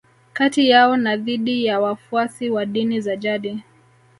Kati yao na dhidi ya wafuasi wa dini za jadi